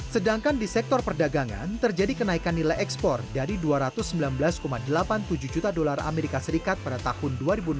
sedangkan di sektor perdagangan terjadi kenaikan nilai ekspor dari dua ratus sembilan belas delapan puluh tujuh juta dolar amerika serikat pada tahun dua ribu enam belas